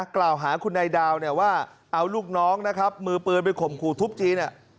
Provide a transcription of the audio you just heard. กล่าวหาคุณได่ดาวว่าเอาลูกน้องมือเปิดไปข่มขู่ทุบตีน่ะ